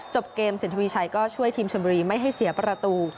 เกมสินทวีชัยก็ช่วยทีมชนบุรีไม่ให้เสียประตู